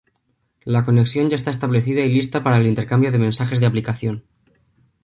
La conexión ya está establecida y lista para el intercambio de mensajes de aplicación.